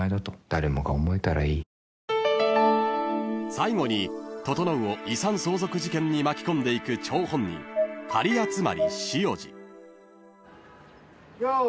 ［最後に整を遺産相続事件に巻き込んでいく張本人狩集汐路］用意。